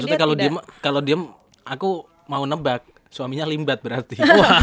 maksudnya kalau diem aku mau nebak suaminya limbat berarti